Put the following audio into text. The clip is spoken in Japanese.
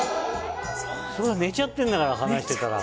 それが寝ちゃってんだから話してたら。